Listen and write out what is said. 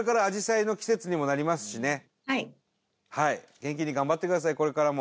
「元気に頑張ってくださいこれからも」